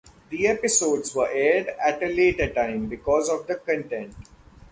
The episodes were aired at a later time, because of the content.